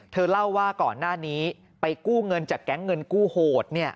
เธอเล่าว่าก่อนหน้านี้ไปกู้เงินจากแก๊งเงินกู้โหด